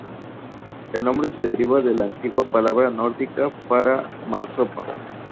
El nombre se deriva de una antigua palabra nórdica para marsopa.